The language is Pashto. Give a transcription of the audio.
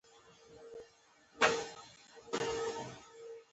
هغه په پنجاب کې له عسکري خدمت څخه تښتېدلی وو.